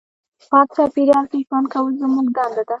پاک چاپېریال کې ژوند کول زموږ دنده ده.